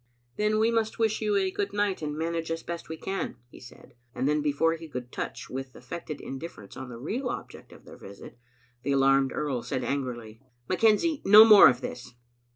" Then we must wish you a good night and manage as best we can," he said; and then before he could touch, with affected indifference, on the real object of their visit, the alarmed earl said angrily, " McKenzie, no more of this."